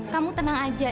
kamu tenang aja